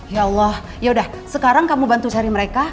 ya allah yaudah sekarang kamu bantu cari mereka